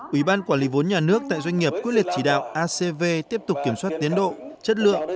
ủy ban quản lý vốn nhà nước tại doanh nghiệp quyết liệt chỉ đạo acv tiếp tục kiểm soát tiến độ chất lượng